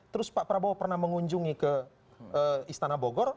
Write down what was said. terus pak prabowo pernah mengunjungi ke istana bogor